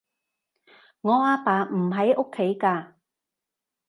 阿爸唔喺屋企㗎